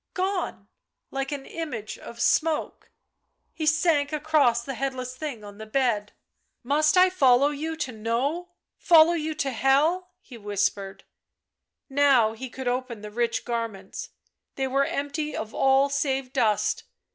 Gone — like an image of smoke. He sank across the headless thing on the bed. " Must I follow you to know, follow you to hell V ' he whispered. Now he could open the rich garments. They were empty of all save dust.